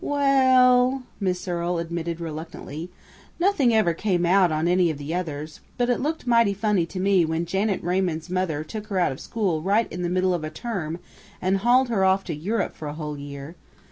"We ell," Miss Earle admitted reluctantly, "nothing ever came out on any of the others, but it looked mighty funny to me when Janet Raymond's mother took her out of school right in the middle of a term and hauled her off to Europe for a whole year!...